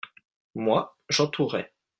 moi, j'entourais.